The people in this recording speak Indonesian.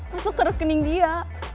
masuk ke rekening dia